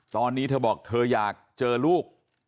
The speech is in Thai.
ตอนนี้เธอบอกเธออยากเจอลูก